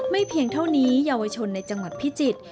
เพียงเท่านี้เยาวชนในจังหวัดพิจิตร